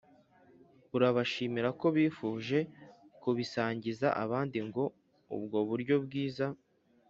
urabashimira ko bifuje kubisangiza abandi ngo ubwo buryo bwiza